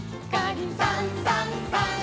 「さんさんさん」